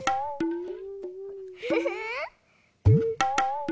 フフフー！